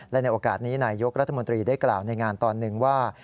และในโอกาสนี้นายยกรัฐมนตรีได้กล่าวในงานตอนหนึ่งว่า